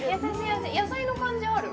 野菜の感じある？